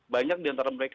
banyak di antara mereka